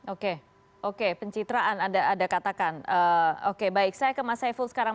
oke oke pencitraan anda ada katakan oke baik saya ke mas saiful sekarang